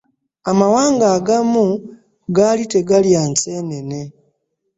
Amawanga agamu gaali tegalya nsenene.